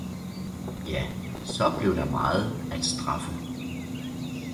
ja, saa blev der Meget at straffe!